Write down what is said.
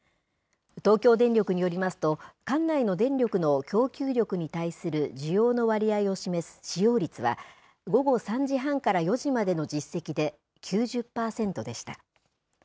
東京電力によりますと、管内の電力の供給力に対する需要の割合を示す使用率は午後３時半から４時までの実績で９０％でした。